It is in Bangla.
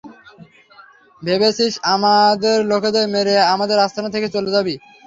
ভেবেছিস আমাদের লোকেদের মেরে আমাদের আস্তানা থেকে চলে যাবি?